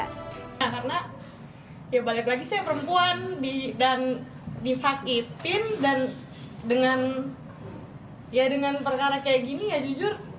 karena banyak lagi perempuan disakitin dan dengan perkara seperti ini